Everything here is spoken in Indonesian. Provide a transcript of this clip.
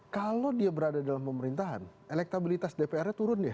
kalau dia berada dalam pemerintahan elektabilitas dpr nya turun nih